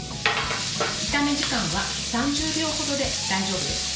炒め時間は３０秒ほどで大丈夫です。